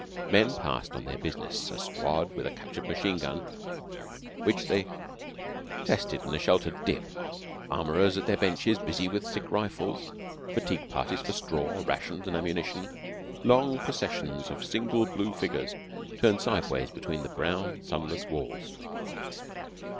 Men passed on their business; a squad with a captured machine gun which they tested in a sheltered dip; armourers at their benches busy with sick rifles; fatigue parties for straw, rations, and ammunition; long processions of single blue figures turned sideways between the brown sunless walls.